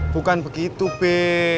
bukan begitu be